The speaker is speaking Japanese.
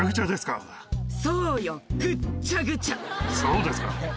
そうですか。